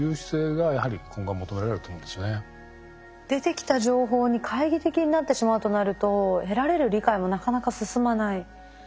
出てきた情報に懐疑的になってしまうとなると得られる理解もなかなか進まない。